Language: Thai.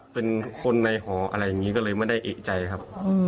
เป็นคนในหออะไรอย่างนี้ก็เลยไม่ได้เอกใจครับ